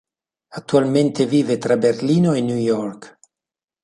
Attualmente vive tra Berlino e New York.